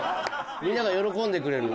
みんなが喜んでくれる。